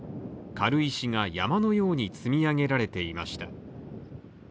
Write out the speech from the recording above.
軽石が山のように積み上げられていました。